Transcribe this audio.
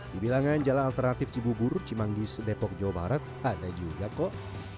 di bilangan jalan alternatif cibubur cimanggis depok jawa barat ada juga kok